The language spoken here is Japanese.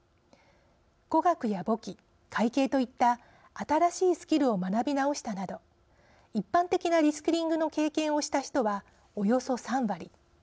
語学や簿記、会計といった新しいスキルを学び直したなど一般的なリスキリングの経験をした人は、およそ３割。